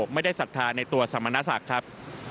ไม่ได้ศัฒทาในตัวสมณสักครับ